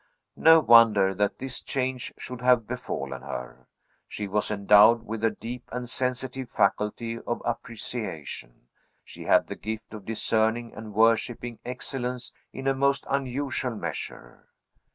No, wonder that this change should have befallen her. She was endowed with a deep and sensitive faculty of appreciation; she had the gift of discerning and worshipping excellence in a most unusual measure.